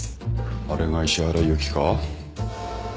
あれが石原由貴か？